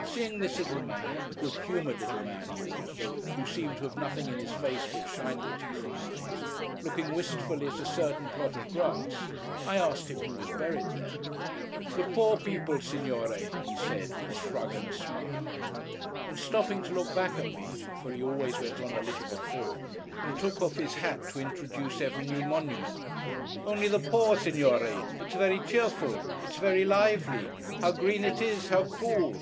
Seeing this little man (a good humoured little man he was, who seemed to have nothing in his face but shining teeth and eyes) looking wistfully at a certain plot of grass, I asked him who was buried there. 'The poor people, Signore,' he said, with a shrug and a smile, and stopping to look back at me—for he always went on a little before, and took off his hat to introduce every new monument. 'Only the poor, Signore! It's very cheerful. It's very lively. How green it is, how cool!